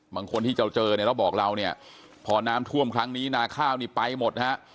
คนที่จะเจอเนี่ยเราบอกเราเนี่ยพอน้ำท่วมครั้งนี้นาข้าวนี่ไปหมดฮะ